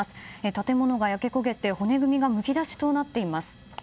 建物が焼け焦げて骨組みがむき出しとなっています。